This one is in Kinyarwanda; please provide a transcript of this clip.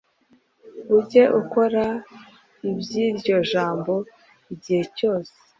Ujye ukora iby’iryo jambo! Igihe cyose